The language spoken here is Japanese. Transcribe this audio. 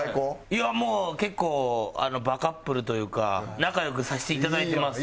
いやもう結構バカップルというか仲良くさせていただいてます。